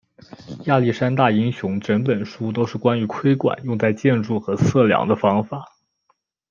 亚历山大英雄整本书都是关于窥管用在建筑和测量的方法。